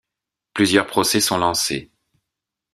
Plusieurs procès sont lancés.